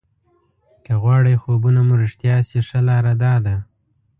که غواړئ خوبونه مو رښتیا شي ښه لاره داده.